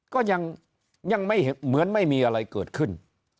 ก็ยังไม่เหมือนไม่มีอะไรเกิดขึ้น